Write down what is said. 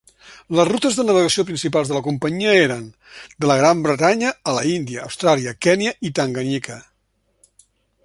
Les rutes de navegació principals de la companyia eren: de la Gran Bretanya a la India, Austràlia, Kènia i Tanganyika.